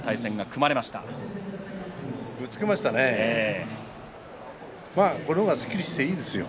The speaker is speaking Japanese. ぶつけましたね。